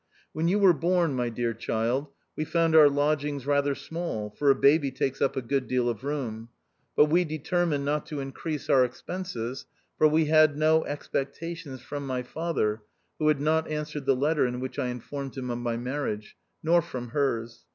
When you were born, my dear child, we found our lodgings rather small, for a baby takes up a good deal of room. But we de termined not to increase our expenses, for we had no expectations from my father (who had not answered the letter in which I informed him of my marriage), nor from hers.